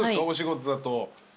お仕事だと。